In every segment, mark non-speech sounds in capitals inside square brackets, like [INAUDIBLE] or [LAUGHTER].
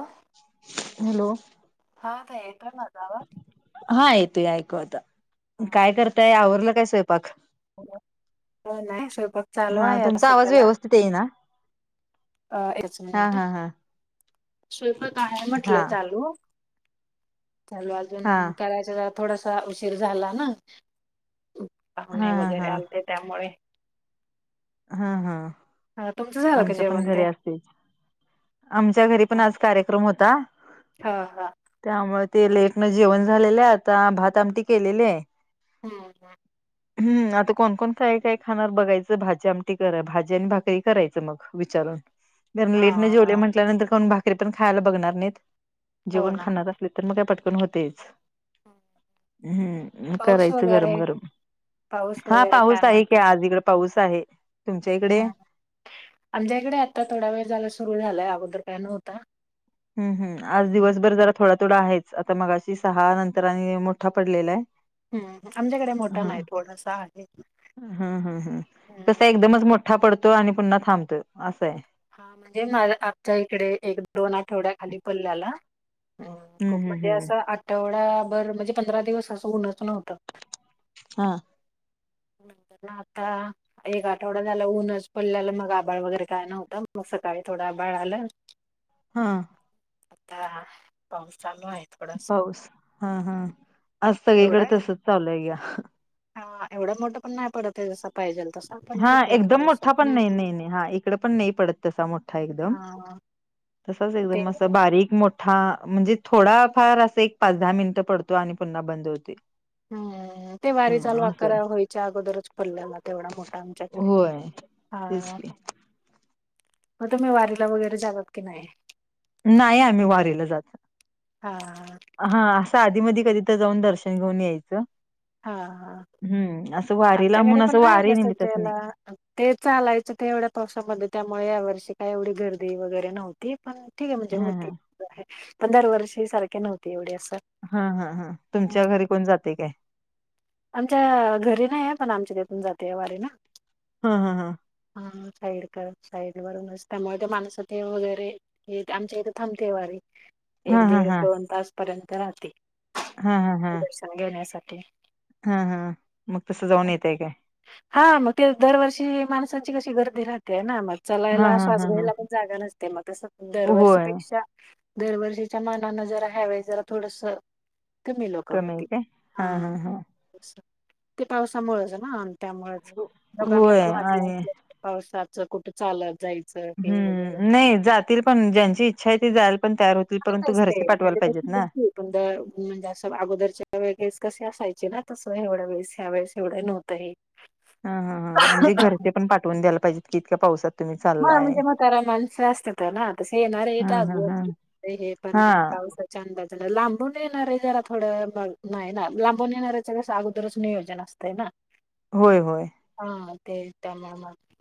ह हॅलो! आता येतोय माझा आवाज. हा येतोय ऐकू आता हा. काय करताय आवरलं काय स्वयंपाक. नाही स्वयंपाक चालू आहे आता सध्याला. ते ना अ एकच हा मिनिट हं, हा हा स्वयपाक आहे हा म्हटलं चालू. चालू हा अजून करायचा थोडासा उशीर झाला ना. पाहुणे हा वगैरे हा आलते त्यामुळे हा हा हा तुमचं झालं का जेवण? ते? [UNINTELLIGIBLE] आमच्या घरी पण आज कार्यक्रम होता हा हा. त्यामुळे ते लेटनं जेवण झालेले आता, भात आमटी केलेली आहे. हम ह. हम् आता कोण कोण काय काय खाणार बघायचं? भात आमटी कर भाजी आणि भाकरी करायचं मग विचारून कारण हा लेट नाई जेवले हा. म्हटल्यानंतरण भाकरी तरी पण खायला बघणार नाहीत, जे हो कोण ना. खानारं असले तर मग काय पटकन होतेच. हम्म पाऊस करायचं वगैरे गरम गरम पाऊस हा वगैरे काय पाऊस आहे कि, म्हणतो? आज इकड पाऊस आहे. तुमच्या इकडे? हम्म. आमच्या इकडे आता थोडा वेळ झाला, सुरु झालाय अगोदर काय नव्हतता. हम् हम् आज दिवसभर जरा थोडा थोडा आहेच, आता मगाशी सहा नंतर आणि मोठा पडलेला आहे. हम् आमच्याकडे मोठा नाही, थोडासा आहे. हम् हम् हम. हम्म. कस एकदमच मोठा पडतो आणि पुन्हा थांबतो असं आहे. हा म्हणजे आमच्या इकडे एक दोन आठवड्या खाली पडल्ल्याला. ह हम्म खूप हम्म म्हणजे हम्म असं आठवडाभर म्हणजे पंधरा दिवस असं ऊनच नव्हतं. हम. म्हंटल तर आता. एक आठवडा झाला ऊनच पडल्याला मग आभाळ वगैरे काय नव्हतं, मग सकाळी थोडं आभाळ आलं. हन. आता पाऊ चालू आहे. थोडासा. पाऊस हन हन आज सगळीकडे एवढा तसच चालू ग्या. हा एवढं मोठं पण नाही पडत जस पाहिजेल तस हा एकदम मोठा पण नाही नाही नाही हा इकडे पण नाही पडत तसा मोठा एकदम. हा. तसच ते एकदम असं बारीक मोठ. हा म्हणजे थोडा फार असं एक पाच दहा मिनिटं पडतो आणि पुन्हा बंद होते. हम्म ते वारी चालू हम्म असं आहे. अकरा व्हायच्या अगोदरच पडलेला तेवढा मोठा आमच्याकडे. होय तेच हा. की मग तुम्ही वारीला वगैरे जातात की नाही? नाही आम्ही वारीला जात. हा हा असं आधी मी कधी तर, जाऊन दर्शन घेऊन यायचं. हा हा हम्म असं वारीला आमच्याकडे म्हणून पण असं नाही वारी म्हणजे निमित्त असं नाही सजला ते चालायचं ते एवढ्या पावसामध्ये त्यामुळे यावर्षी काय एवढी गर्दी वगैरे नव्हती. पण ठीक आहे म्हणजे हा होती, हा पण दरवर्षी सारखी नव्हती एवढी असं. हा हा हा तुमच्या घरी कोण जाते काय? आमच्या घरी नाही आहे पण आमच्या ईथून जाते वारी ला. हा हा हा. हा साईड कर साईड वरूनच त्यामुळे ते माणसाते वगैरे हे आमच्या इथे थांबते वारी, हा एक हा दीड हा दोन तास पर्यंत राहते. हा हा हा. [UNINTELLIGIBLE] शिक्षण घेण्यासाठी. हम म मग तस जाऊन येतय काय? हा मग ते दरवर्षी माणसाची कशी गर्दी राहते ना, मग हा चलायला हा श्वास हा हा घ्यायला जागा नसते, मग तस होय दरवर्षीपेक्षा दरवर्षीच्या मानान जरा ह्यावेळी जरा थोडस कमी लोक आहे होती. काय हा हम. हा हा ते पावसामुळेच आहे ना त्यामुळेच लोकांना होय पण वाटलं आणि अस पावसाच कुठं चालत जायच. हम्म नाही जातील पण ज्यांची इच्छा आहे ती जायला पण तयार होतील. परंतु असते घरचे पाठवायला म्हणजे पाहिजेत ना क म्हणजे असं अगोदरच्या वेळेस कसे असायचे ना तसं एवढ्या वेळेस ह्या वेळेस एवढ्या नव्हत, तही. ह ह हां म्हणजे घरचे पण पाठवून द्याला पाहिजेत की इतक्या पावसात. तुम्ही ह चाललाय. म्हणजे मग करायला माणसं असत तर ना तसे येणार हा येत हा हा. हे पण हा पाऊसात. चांगल लांबून येणार आहे जरा थोडं नाही ना लांबून येणार आहे त्या अगोदरच नियोजन असतय ना होय होय. हा ते त्या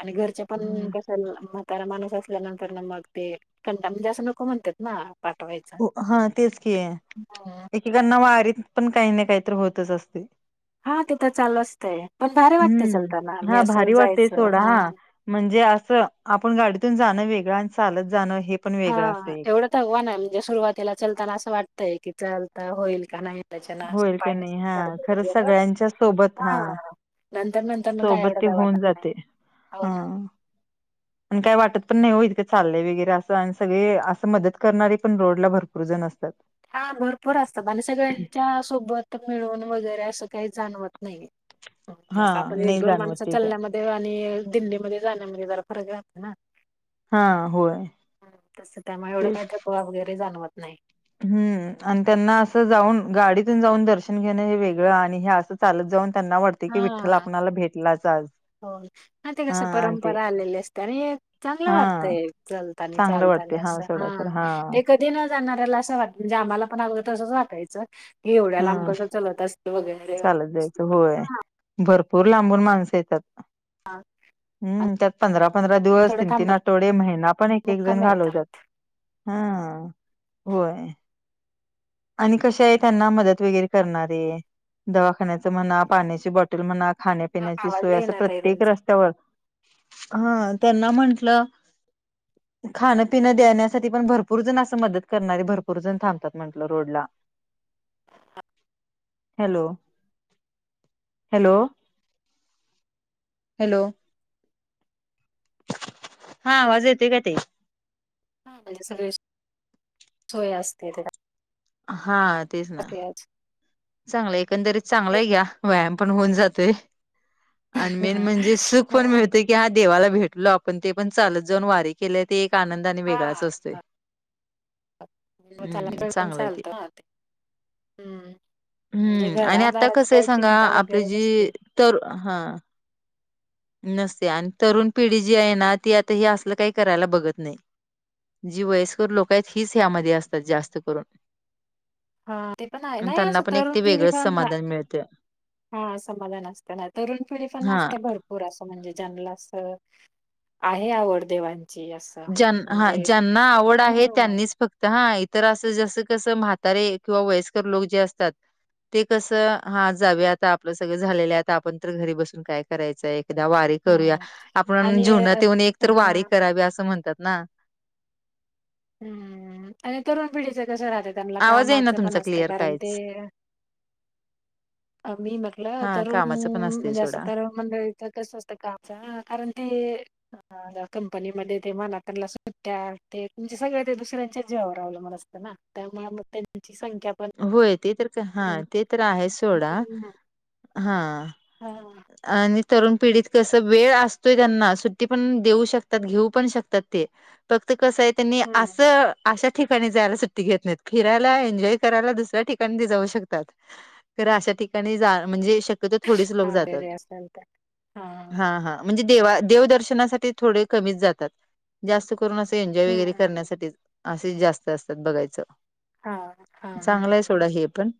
आणि घरच्या पण हम्म. क म्हातारा माणूस असल्यानंतर ना मग ते कंटा म्हण जा असं नको म्हणतात ना पाठवायच. हा तेच की आहे एकी कडण वारीत पण काही ना काहीत होतच असते. हा तिथं चालू असतय पण भार वाटते चलताना हम्म. मी हा भारी असं वाटतेय जायचं सोडा हा. म्हणजे असं आपण गाडीतून जाणं वेगळं आणि चालत जाणं हे पण हा वेगळं असते. एवढं तर हवा ना म्हणजे सुरुवातीला चलताना असं वाटतंय की चालता होईल का नाही. त्याच्यान होईल पाय का नाही हा खरंच सगळ्यांच्या सोबत हा दुखतात नंतर न काय सोबत एवढं ते काय वाटत होऊन नाही जाते ह. हो ना आणि काय वाटत पण नाही हो इतकं चाललंय वगैरे असं आणि सगळे असं मदत करणारे पण रोडला भरपूर जण असतात. हा भरपूर असतात आणि सगळ्यांच्या सोबत मिळून वगैरे असं काही जाणवत नाही. [INAUDIBLE] आपण एक, नाही दोन जाणवत माणस ते काय चलण्यामध्ये आणि दिंडीमध्ये जाण्यामध्ये जरा फरक राहतो ना. हा होय तस त्यामुळे एवढं तेच काही थकवा वगैरे जाणवत नाही. हम्म आणि त्यांना असं जाऊन गाडीतून जाऊन दर्शन घेणं हे वेगळं आणि हे असं चालत जाऊन त्यांना वाटत. की विठ्ठल हा आपल्याला भेटलाच आज. हो ते हा कस आणि ते परंपरा आलेली असते आणि चांगलं हा वाटतय चालतानी चांगलं चालतानी वाटते असं हा सोडा खर ते ते न जाणारऱ्याला असं वाट म्हणजे आम्हाला पण अगोदर तच वाटायचं हे एवढ्या लांब हा कसं चलत असतील वगैरे चालत जायचं होय भरपूर लांबून माणसं येतात. हां. हम त्यात पंधरा, पंधरा दिवस तीन, तीन थांबत आठवडे महिना पण एक, एक जण मुक्कामी घालवतात. होतात हा होय. आणि कश आहे त्यांना मदत वगैरे करणारे दवाखान्याच म्हणा पाण्याची बॉट टेल म्हणा खाण्यापिण्याची आवाज सोय असं येईना ताई प्रत्येक तुमचा रस्त्यावर हा त्यांना म्हंटलं खान पिन दयाण्यासाठी पण भरपूर जण असं मदत करणारे भरपूर जण थांबतात म्हणे. रोड ला. Hello hello. हॅलो. हा आवाज येतेय का ताई? हा म्हणजे सगळे सोय असते त्या हा तेच ना. चांगलं एकंदरीत चांगलं आहे या व्यायाम पण होऊन जातोय. आणि मेन म्हणजे सुख पण मिळतय क हा देवाला भेटलो आपण ते पण चालत जाऊन वारी केले ते एक आनंद आणि वेगळाच असतय. चांगलंय ते चालतात हम्म म्हणजे हम्म आणि घरादाराची काही चिंता वगैरे नसते. तरु हा. नसते आणि तरुण पिढी जी आहे ना ती आता हे असलं काही करायला बघत नाही जी वयस्कर लोक आहेत हीच ह्यामध्ये असतात जास्त करून हा ते पण आहे आणि ना त्यांना असं पण एक ते तरुण पिढी वेगळंच पण समाधान मिळतं. हा समाधान असतं ना तरुण पिढी पण हां, नासते भरपूर पुर असं म्हणजे ज्यांना असं आहे आवड देवांची असं ज्यां हा म्हणजे ज्यांना आवड आहे हम्म त्यांनीच फक्त तर हा इतर असं जसं कसं म्हातारे किंवा वयस्कर लोक जे असतात. ते कसं हा जावे आता आपलं सगळं झालेलं आता आपण तर घरी बसून काय करायचंय. एकदा वारी करूया हम्म आपण आणि अ, जीवनात येऊन एकतर हा वारी करावी असं म्हणतात ना. हम्म आणि तरुण पिढीच कसं राहत त्यांला आवाज आहे ना कामाचं पण तुमचा असतंय क्लिअर कारण ते कायच मी म्हटलं हा तरुण कामाचं पण असते म्हणजे असं सोडा तर मंडळी च कसं असतं कामच कारण ते कंपनीमध्ये ते मनातनला सुट्टया ते तुमचे सगळं ते दुसऱ्यांच्याच जीवावर अवलंबून असत ना. त्यामुळे मग त्यांची संख्या पण होय ते तर का हा ते तर आहे सोडा हम्म हा हा आणि तरुण पिढीत कसं वेळ असतोय त्यांना सुट्टी पण देऊ शकतात घेऊ पण शकतात ते फक्त कसं आहे त्यांनी हम्म असं अशा ठिकाणी जायला सुट्टी घेत नाहीत फिरायला एन्जॉय करायला दुसऱ्या ठिकाणी ते जाऊ शकतात. ख अशा ठिकाणी जा म्हणजे शक्यत थोडीच लोक हा जातात वगैरे असेल तर हा हा म्हणजे देवा देव दर्शनासाठी थोडे कमीच जातात. जास्त करून असं एन्जॉय वगैरे हम्म करण्यासाठी असे जास्त असतात बघायचं. हा हा चांगला आहे सोडा हे पण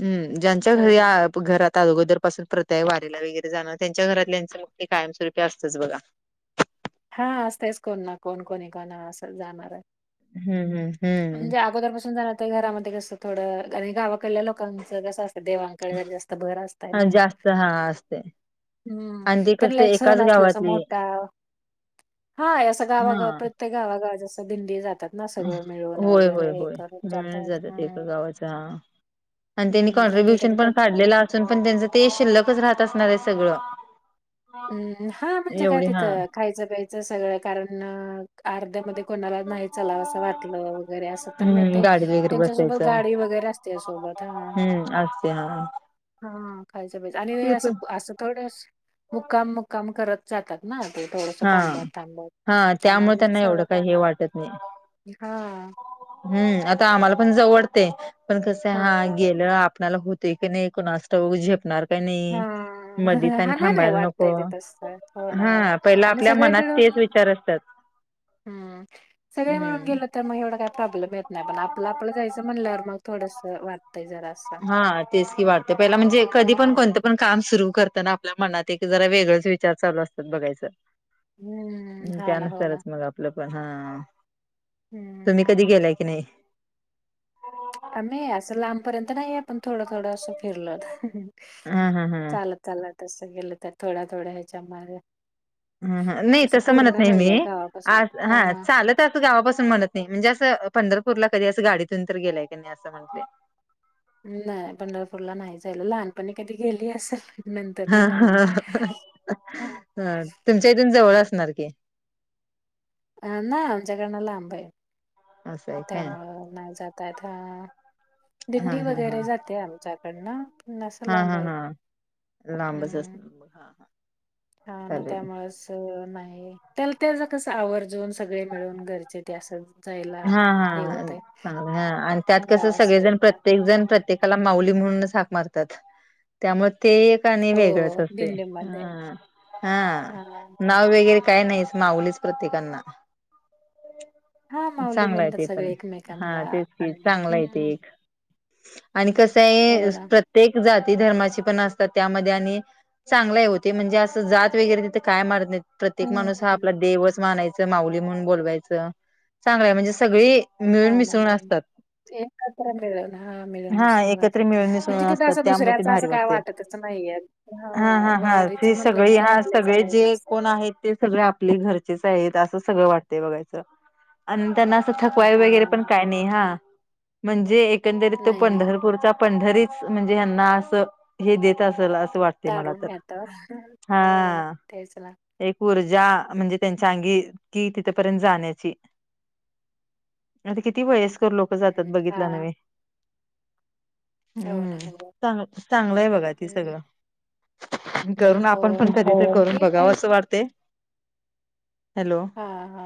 हम्म ज्यांच्या हो घरात ना या घरात अगोदर पासून प्रथा वारीला वगैरे जाणं त्यांच्या घरातल्याच मग ते कायमस्वरूपी असतं बघा. हा असतेच कोण ना कोण कोणी कोणा असं जाणार आहे. हम्म हम्म. हम्म. म्हणजे अगोदरपसून जा तर घरामध्ये कस थोडं आणि गावाकलेल्या लोकांचं कसं असतं देवां कळे जास्त भर असतंय हा ना? जास्त हा असते हम्म आणि ते त्यांना कसं एक सण एकाच असला असं गावातली मोठा हाय असं हा. गावागाव प्रत्ये ते गावागावाच्या असतात दिंडी जातात ना सगळं. मिळून होय होय वगैरे हे होय करून मिळूनच जातात हम्म एका गावाच्या आणि त्यांनी हम्म आणि कॉन्ट्रीब्युशन एखाद्या पण काढलेलं असून पण त्यांचं ते शिल्लकच राहत असणार आहे सगळं. हम्म हा म्हणजे काय एवढी हा तिथं खायचं प्यायचं सगळं कारण अर्ध्यामध्ये कोणाला नाही चलावं असं वाटलं वगैरे असं तर मग हम्म ते गाडी वगैरे त्यांच्यासोबत बसायचं गाडी वगैरे असतीया सोबत हा असती हा हा खायचं प्यायचं आणि ते असं पण असं थोडंस मुक्काम मुक्काम करत जातात ना ते थोडस हा थांबत हा थांबत त्यामुळे म्हणजे त्यांना एवढं काय काही हे नाय वाटत नाही. हा हम्म आता आम्हाला पण जाऊ वाटते पण कसं हा हां, हां. गे आपण्याला होते की नाही कोणास ठाऊक झेपणार का नाही हां, मधीच अन नाही, नाही थांबायला नको वाटतंय ते तसं. हो ना. हा पहिला आणि आपल्या सगळे मनात तेच मिळून विचार असतात. हम्म सगळे म्हणून हम्म गेलंत तर मग एवढा काय प्रॉब्लेम येत नाही पण आपलं आपलं जायचं म्हणल्यावर मग थोडंसं वाट हा तेच की वाटते पहिला म्हणजे कधी पण हम्म कोणतं पण काम सुरू करताना आपल्या मनात एक जरा वेगळच विचार चालू असतात बघायचं. हम्म हा ना हो ना त्यानुसारच मग आ आपलं पण हा हम्म. तुम्ही कधी गेलाय की नाही? आम्ही असं लांबपर्यंत नाही आपण थोडं थोडं असं फिरलोत. हा हा हा! चला तसं गेलं तर थोड थोड ह्याच्या मध्ये हम्म हम्म नाही तस म्हणत नाही मी आज हा चालत त्यात गावापासून म्हणत नाही म्हणजे असं पंढरपूरला कधी असं गाडीतून तर गेलाय की नाही असं म्हणते. नाही पंढरपूरला नाही जायला लहानपणी कधी गेली असल. हा हा ह ह ह तुमच्या इथून जवळ असणार की? अ ना आमच्याकडनं लांब आहे असं आहे काय त्यामुळं नाही जात. त्यता हा दिंडी हा हा वगैरे जाते आमच्याकडनं. पण असं हा लांब हा आहे. हा लांबच हम्म असत हा [UNINTELLIGIBLE] हा ना चालेल त्यामुळंच नाही त्याला तेच कस आवर्जून सगळे मिळून घर हा हा ह आणि त्यात कस जावंसं सगळेजण येतं प्रत्येक जण हम्म प्रत्येक. त्याला माऊली म्हणूनच हाक मारतात त्यामुळे ते तिथं आणि वेगळच हो असते दिंडीमध्ये हा हा! नाव वगैरे काय नाहीच माऊलीच प्रत्येकांना. हा माऊली चांगला हाय म्हणतात ते सगळे पण, हा एकमेकांना तेच की आणि चांगलय ते हम्म एक. आणि कसं हो आहे ना प्रत्येक जाती धर्माची पण असतात त्यामध्ये आणि चांगलं हाय ओ ते म्हणजे असं जात वगैरे तिथं काय मानत नाहीत. प्रत्येक हम्म माणूस हा हम्म आपला देवच मानायच माउली म्हणून बोलवायचं. चांगल हाय म्हणजे सगळी हा मिळून ना मिसळून हो असतात. एकत्र मिळून हा मिळून हा मिसळून एकत्र राहतात, मिळून मिसळून म्हणजे तिथं असतात असं त्यामुळे ते दुसऱ्याच असं भारी काय वाटते वाटतच नाहीयेत. हा हा हा ते सगळे हा आपलेच सगळे जे आहेत असं. कोण आहेत. ते सगळी आपली घरचीच आहेत असं सगळं वाटतय बघा इथं. आणि त्यांना असं थकवा ही हा वगैरे पण काय नाही हा म्हणजे एकंदरीत तो नाही नाही पंढरपूरचा पंढरीच म्हणजे यांना अस हे देत असेल, असं वाटत. तारुण्यातच आ ठेचला. एक ऊर्जा म्हणजे त्यांच्या अंगी कि तिथ पर्यंत जाण्याची. आता किती वयस्कर लोक जातात हम्म हा बघितला नव्हे. हो हम्म ना हो चांग चांगलंय बघा ते हम्म सगळं. करून हो आपण पण कधीतर करून ठीक बघाव आहे असं वाटते. हॅलो हां हा!